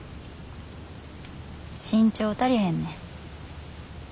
身長足りへんねん。